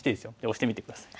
押してみて下さい。